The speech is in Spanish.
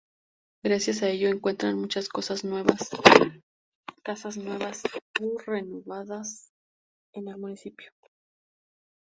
Gracias a ello se encuentran muchas casas nuevas o renovadas en el municipio.